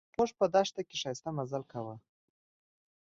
موږ په دښته کې ښایسته مزل کاوه.